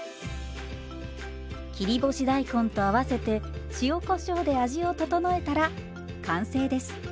切り干し大根と合わせて塩こしょうで味を調えたら完成です。